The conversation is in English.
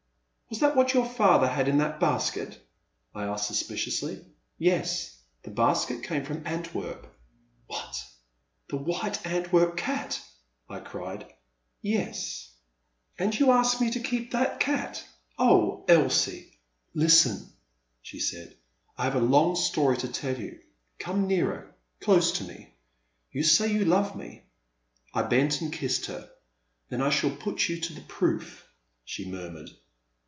'* "Was that what your father had in that basket?" I asked suspiciously. " Yes, the basket came from Antwerp." " What ! The white Antwerp cat !" I cried. "Yes." 39^ TTu Man at the Next Table. "And you ask me to keep that cat? Oh Elsie !''Listen !'* she said, I have a long story to tell you ; come nearer, close to me. You say you love me? " I bent and kissed her. "Then I shall put you to the proof, she murmured.